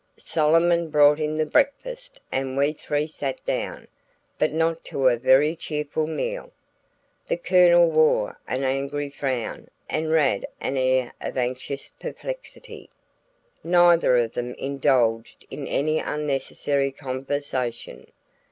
Solomon brought in the breakfast and we three sat down, but not to a very cheerful meal. The Colonel wore an angry frown and Rad an air of anxious perplexity. Neither of them indulged in any unnecessary conversation.